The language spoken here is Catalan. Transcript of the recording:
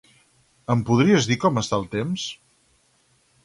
Em podries dir com està el temps?